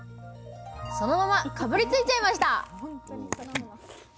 そのままかぶりついちゃいました！